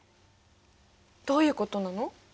どういうことなの？